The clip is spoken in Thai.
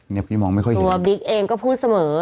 พี่มองไม่ค่อยเห็นตัวบิ๊กเองก็พูดเสมอ